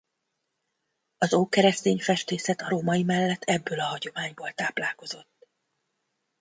Az ókeresztény festészet a római mellett ebből a hagyományból táplálkozott.